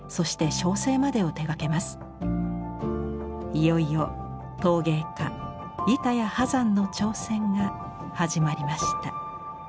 いよいよ陶芸家板谷波山の挑戦が始まりました。